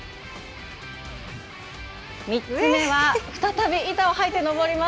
３つめは再び板を履いて登ります。